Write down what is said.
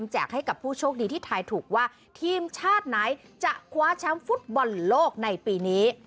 ให้กับผู้โชคดีที่ทายถูกว่าทีมชาติไหนจะคว้าแชมป์ฟุตบอลโลกในปีนี้